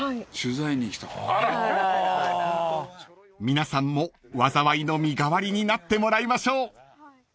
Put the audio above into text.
［皆さんも災いの身代わりになってもらいましょう］